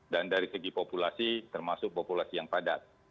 dan dari segi populasi termasuk populasi yang padat